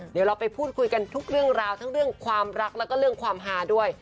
เดี๋ยวเราไปพูดคุยกันทุกเรื่องราวทั้งเรื่องความรักแล้วก็เรื่องความฮาด้วย